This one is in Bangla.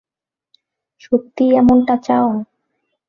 সত্যিই এমনটা চাও?